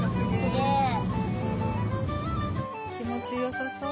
気持ちよさそう。